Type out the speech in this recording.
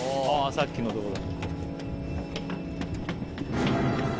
さっきのとこだ。